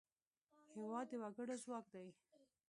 هېواد د وګړو ځواک دی.